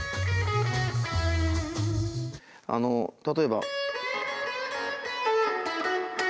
あの例えば。